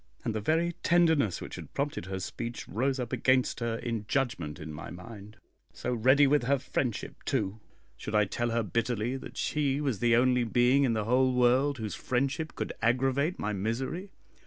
and the very tenderness which had prompted her speech rose up against her in judgment in my mind. So ready with her friendship, too! Should I tell her bitterly that she was the only being in the whole world whose friendship could aggravate my misery?